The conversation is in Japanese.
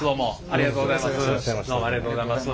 ありがとうございます。